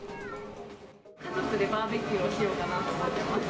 家族でバーベキューをしようかなと思ってます。